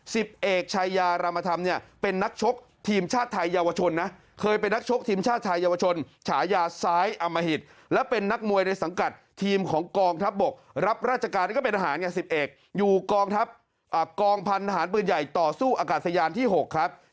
สิบเอกชายารมธรรมเนี่ยเป็นนักชกทีมชาติไทยเยาวชนนะเคยเป็นนักชกทีมชาติไทยเยาวชนฉายาซ้ายอมหิตและเป็นนักมวยในสังกัดทีมของกองทัพบกรับราชการก็เป็นทหารไงสิบเอกอยู่กองทัพกองพันธหารปืนใหญ่ต่อสู้อากาศยานที่๖ครับ